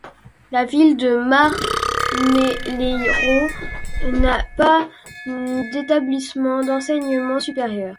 La ville de Marmeleiro n'a pas d'établissement d'enseignement supérieur.